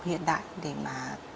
hiện đại để mà